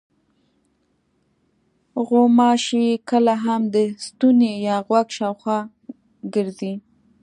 غوماشې کله هم د ستوني یا غوږ شاوخوا ګرځي.